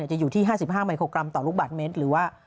จะอยู่ที่๕๕มิโครกรัมต่อลูกบาทเมตรหรือว่า